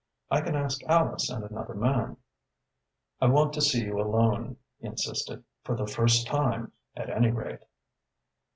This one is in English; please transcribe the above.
"I can ask Alice and another man." "I want to see you alone," he insisted, "for the first time, at any rate."